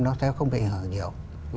nó sẽ không bị ảnh hưởng nhiều